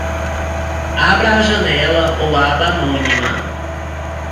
Abra a janela ou aba anônima